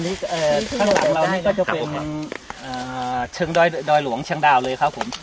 ข้างหลังเรานี่ก็จะเป็นเชิงดอยหลวงเชียงดาวเลยครับผม